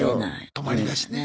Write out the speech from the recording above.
泊まりだしね。